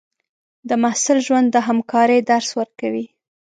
د محصل ژوند د همکارۍ درس ورکوي.